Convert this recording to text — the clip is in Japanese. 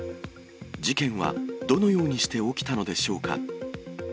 事件はどのようにして起きたのでしょうか。